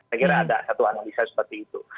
saya kira ada satu analisa seperti itu